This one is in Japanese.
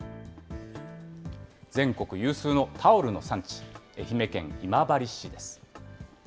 全国有数のタオルの産地、愛媛県今治市です。